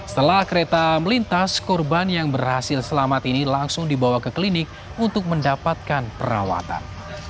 setelah kereta melintas korban yang berhasil selamat ini langsung dibawa ke klinik untuk mendapatkan perawatan